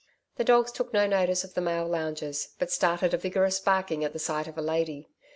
The dogs took no notice of the male loungers, but started a vigorous barking at the sight of a lady.